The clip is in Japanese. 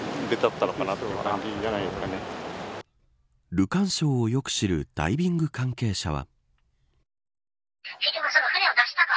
ルカン礁をよく知るダイビング関係者は。